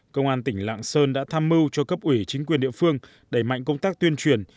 công an tỉnh lạng sơn đã tham mưu cho cấp ủy chính quyền địa phương đẩy mạnh công tác tuyên truyền